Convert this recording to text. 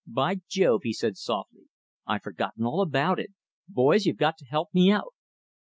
"By Jove!" he said softly, "I'd forgotten all about it. Boys, you've got to help me out."